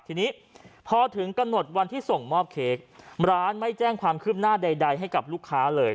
ทีนี้พอถึงกำหนดวันที่ส่งมอบเค้กร้านไม่แจ้งความคืบหน้าใดให้กับลูกค้าเลย